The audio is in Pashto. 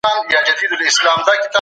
په خوله د نورو مسخره کول ستره ګناه ده.